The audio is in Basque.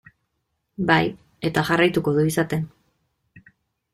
Bai, eta jarraituko du izaten.